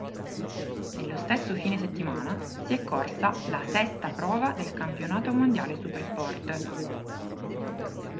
Nello stesso fine settimana si è corsa la sesta prova del campionato mondiale Supersport.